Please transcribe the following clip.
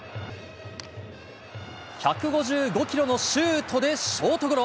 １５５キロのシュートでショートゴロ。